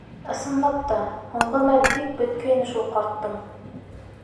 — Ысынлап та, һуңғы мәл бик бөткәйне шул ҡартың.